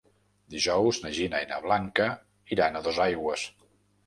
Dijous na Gina i na Blanca iran a Dosaigües.